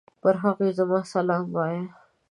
پر هغوی زما سلام وايه!